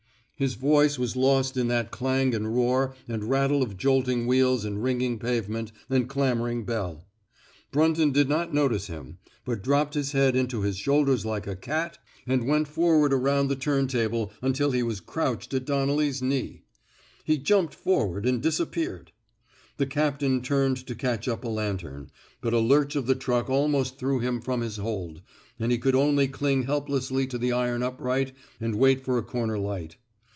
His voice was lost in that clang and roar and rattle of jolting wheels and ringing pavement and clamoring bell. Brunton did not notice him, but dropped his head into his shoulders like a cat, and went forward 140 IN THE NATURE OF A HERO around the turntable until he was crouched at Donnelly's knee. He jumped forward and disappeared. The captain turned to catch up a lantern, but a lurch of the truck almost threw him from his hold, and he could only cling help lessly to the iron upright and wait for a comer light.